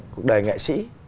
cũng đầy nghệ sĩ